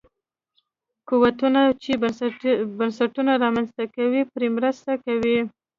قوتونه چې بنسټونه رامنځته کوي پرې مرسته کوي.